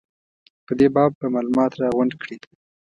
په دې باب به معلومات راغونډ کړي.